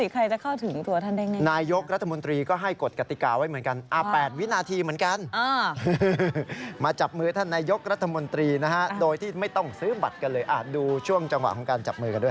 ใครจะเข้าถึงตัวท่านได้ไงนายกรัฐมนตรีก็ให้กฎกติกาไว้เหมือนกัน๘วินาทีเหมือนกันมาจับมือท่านนายกรัฐมนตรีนะฮะโดยที่ไม่ต้องซื้อบัตรกันเลยดูช่วงจังหวะของการจับมือกันด้วย